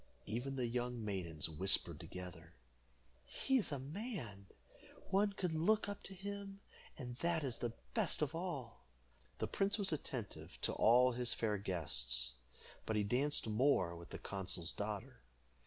Even the young maidens whispered together, "He is a man; one could look up to him, and that is the best of all." The prince was attentive to all his fair guests, but he danced more with the consul's daughter.